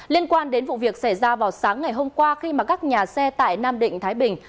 liên quan đến vụ việc xảy ra vào sáng ngày hôm qua khi các nhà xe tại nam định thái bình